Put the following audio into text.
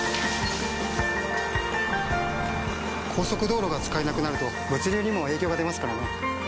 速道路が使えなくなると物流にも影響が出ますからね。